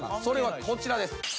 それはこちらです。